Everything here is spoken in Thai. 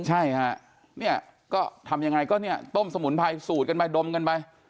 ใช่ค่ะเนี่ยก็ทำยังไงก็เนี่ยต้มสมุนไพรสูดกันไปดมกันไป